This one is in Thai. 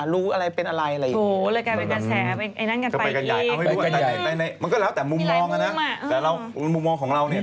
รู้อะไรเป็นอะไรอะไรอย่างนี้